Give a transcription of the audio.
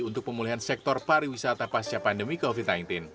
untuk pemulihan sektor pariwisata pasca pandemi covid sembilan belas